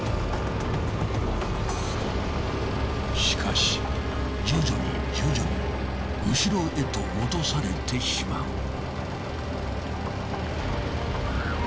しかし徐々に徐々に後ろへと戻されてしまう。